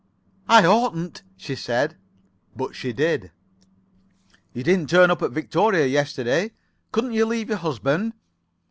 "I oughtn't," she said, but she did. "You didn't turn up at Victoria yesterday. Couldn't you leave your husband?"